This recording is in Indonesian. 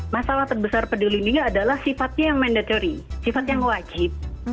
masalah terbesar peduli lindungi adalah sifatnya yang mandatory sifat yang wajib